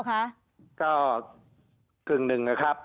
ก็กึ่งหนึ่งนะครับ